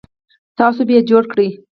تاسو به یې جوړ کړئ